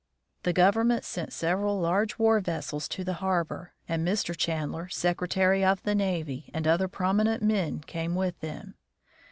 The government sent several large war vessels to the harbor, and Mr. Chandler, Secretary of the Navy, and other prominent men came with them.